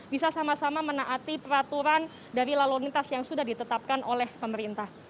bisa sama sama menaati peraturan dari lalu lintas yang sudah ditetapkan oleh pemerintah